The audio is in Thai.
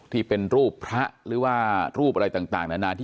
ที่เป็นรูปพระหรือว่ารูปอะไรต่างนานา